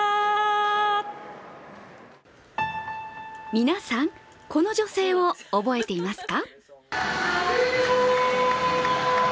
皆さん、この女性を覚えていますか？